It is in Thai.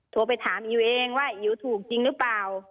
โทรไปถามอิ๋วเองว่าอิ๋วถูกจริงหรือเปล่า